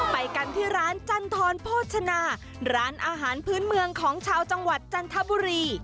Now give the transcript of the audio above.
ไปกันที่ร้านจันทรโภชนาร้านอาหารพื้นเมืองของชาวจังหวัดจันทบุรี